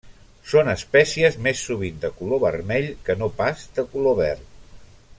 Són espècies més sovint de color vermell que no pas de color verd.